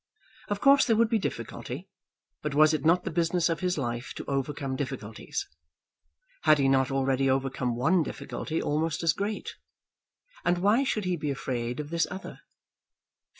Of course there would be difficulty. But was it not the business of his life to overcome difficulties? Had he not already overcome one difficulty almost as great; and why should he be afraid of this other?